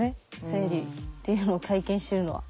生理っていうのを体験してるのは。